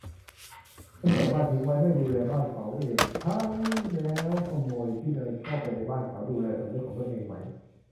คนเปิดบ้านทิ้งไว้ ไม่ดูแลบ้านเขาเอง ใช่ - แล้วขโมยที่เดินเข้าไปในบ้านเขา ดูแลสำนึกของตัวเองไหม ?